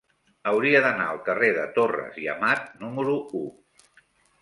Hauria d'anar al carrer de Torres i Amat número u.